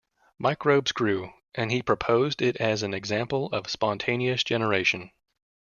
Microbes grew, and he proposed it as an example of spontaneous generation.